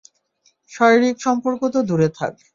শারীরিক সম্পর্ক তো দূরে থাক।